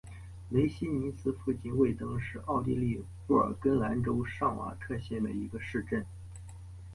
雷希尼茨附近魏登是奥地利布尔根兰州上瓦特县的一个市镇。